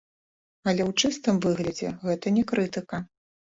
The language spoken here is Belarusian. Але ў чыстым выглядзе гэта не крытыка.